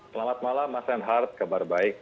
selamat malam mas reinhardt kabar baik